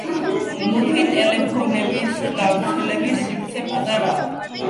მუქი დელფინების გავრცელების სივრცე პატარაა.